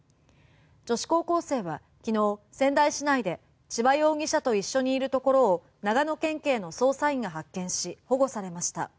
女子高校生は昨日、仙台市内で千葉容疑者と一緒にいるところを長野県警の捜査員が発見し保護されました。